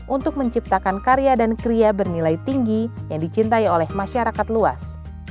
untuk menciptakan karya dan kria bernilai tinggi yang dicintai oleh masyarakat luas